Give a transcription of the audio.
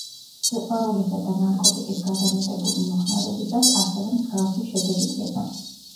სიყვარულისა და ნარკოტიკის გადამეტებული „მოხმარებისას“ ასევე მსგავსი შედეგი დგება.